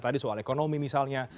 tadi soal ekonomi misalnya